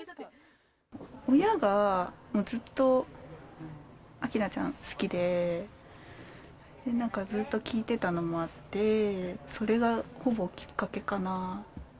親がずっと、明菜ちゃん好きで、なんかずっと聴いてたのもあって、それがほぼきっかけかな。